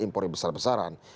impor yang besar besaran